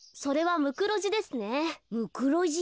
ムクロジ？